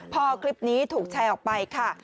พอคลิปนี้ถูกแชร์ออกไปค่ะ